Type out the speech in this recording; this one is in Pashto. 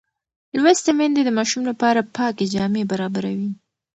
لوستې میندې د ماشوم لپاره پاکې جامې برابروي.